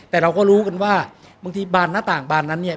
แต่เราก็รู้กันว่าบางทีบานหน้าต่างบานนั้นเนี่ย